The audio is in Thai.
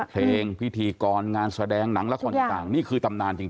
เพลงพิธีกรงานแสดงหนังละครต่างนี่คือตำนานจริง